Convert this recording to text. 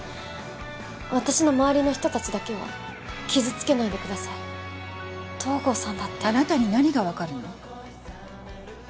私の周りの人達だけは傷つけないでください東郷さんだってあなたに何が分かるの？